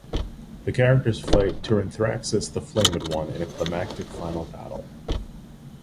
The characters fight Tyranthraxus the Flamed One in a climactic final battle.